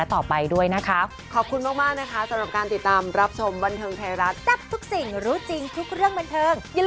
ต่อไปได้เรื่อย